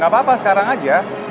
gak apa apa sekarang aja